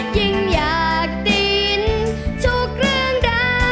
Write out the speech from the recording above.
ยิ่งอยากติด